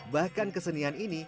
bahkan kesenian ini